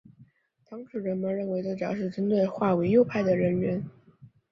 当时人们认为这主要是针对划为右派的人员。